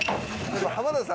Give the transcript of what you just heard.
浜田さん。